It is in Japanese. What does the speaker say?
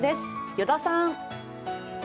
依田さん。